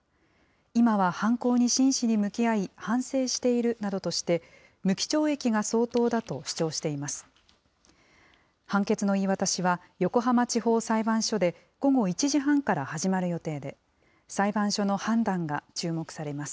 今は犯行に真摯に向き合い、反省しているなどとして、無期懲役が相当だと主張しています。